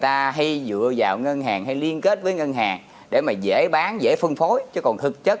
ta hay dựa vào ngân hàng hay liên kết với ngân hàng để mà dễ bán dễ phân phối chứ còn thực chất